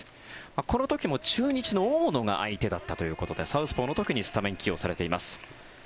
この時も中日の大野が相手だったということでサウスポーの時にスタメン起用されています。